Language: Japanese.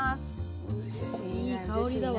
いい香りだわ。